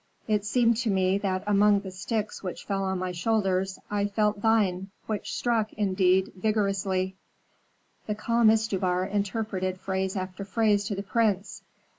It seemed to me that among the sticks which fell on my shoulders I felt thine, which struck, indeed, vigorously." The calm Istubar interpreted phrase after phrase to the prince.